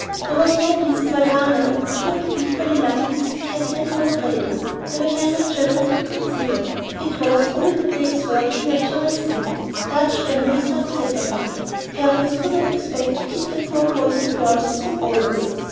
There was no reason why Lionel should not be equally lucky with his cattle in Colorado; there were younger children to be considered; it was "all in the day's work," the natural thing. Large families must separate, parents could not expect to keep their grown boys and girls with them always.